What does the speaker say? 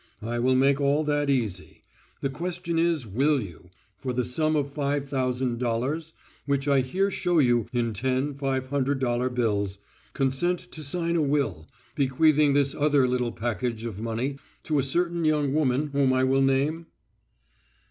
I will make all that easy. The question is, will you, for the sum of five thousand dollars, which I here show you in ten five hundred dollar bills, consent to sign a will, bequeathing this other little package of money to a certain young woman whom I will name?"